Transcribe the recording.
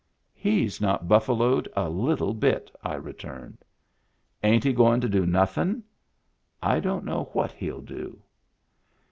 " He's not buffaloed a little bit,'' I returned. "Ain't he goin' to do nothin'? "" I don't know what he'll do."